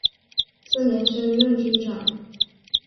次年升任军长。